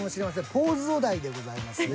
ポーズお題でございます。